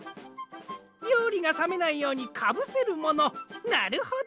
りょうりがさめないようにかぶせるものなるほど。